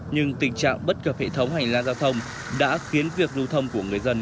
nhưng tình trạng bất cập hệ thống hành lang giao thông đã khiến việc lưu thông của người dân